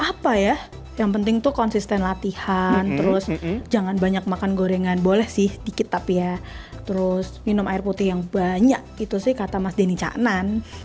apa ya yang penting tuh konsisten latihan terus jangan banyak makan gorengan boleh sih dikit tapi ya terus minum air putih yang banyak gitu sih kata mas denny caknan